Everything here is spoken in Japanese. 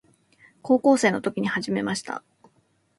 高校生の時に始めました。